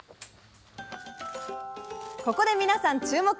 ここで皆さん注目！